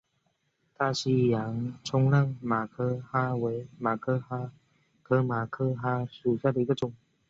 大西洋冲浪马珂蛤为马珂蛤科马珂蛤属下的一个种。